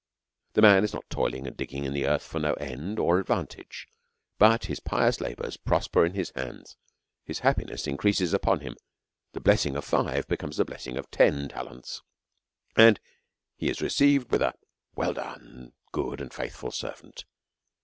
The man is not toiling and dig ging in the earth for no end or advantage ; but his pi ous labours prosper in his hands, his happiness in k2 132 * A SERIOUS CALL TO A creases upon him^ the blessing of five becomes the blessing of ten taients ; and he is received, with a loell done good and faithful servant.